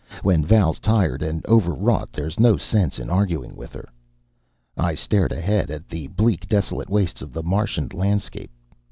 When Val's tired and overwrought there's no sense in arguing with her. I stared ahead at the bleak, desolate wastes of the Martian landscape.